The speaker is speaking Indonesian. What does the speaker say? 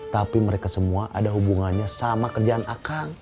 tapi mereka semua ada hubungannya sama kerjaan akan